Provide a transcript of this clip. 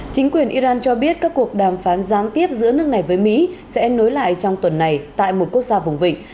chính quyền iran cho biết các cuộc đàm phán gián tiếp giữa nước này với mỹ sẽ nối lại trong tuần này tại một quốc gia vùng vịnh